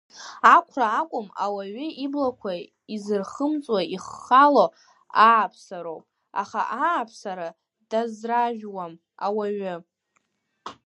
Ақәра акәым ауаҩы иблақәа изырхымҵуа иххало, ааԥсароуп, аха ааԥсара дазражәуам ауаҩы.